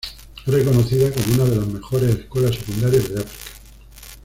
Es reconocida como una de las mejores escuelas secundarias de África.